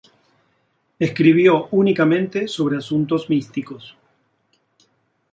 Escribió únicamente sobre asuntos místicos.